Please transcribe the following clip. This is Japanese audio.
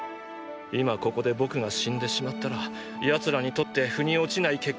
今ここで僕が死んでしまったら奴らにとって腑に落ちない結果となる。